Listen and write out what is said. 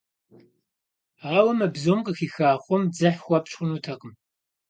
Ауэ мы бзум къыхиха хъум дзыхь хуэпщӀ хъунутэкъым.